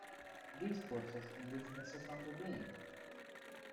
These forces induce stresses on the beam.